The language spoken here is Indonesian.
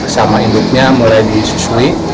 sama induknya mulai disusui